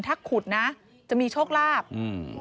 ถ้าขุดนะจะมีโชคลาภอืม